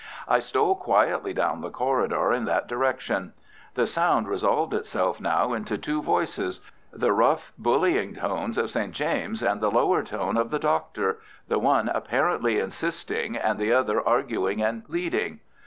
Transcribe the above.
I stole quietly down the corridor in that direction. The sound resolved itself now into two voices, the rough bullying tones of St. James and the lower tone of the Doctor, the one apparently insisting and the other arguing and pleading.